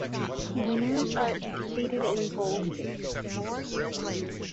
Winners are indicated in boldface.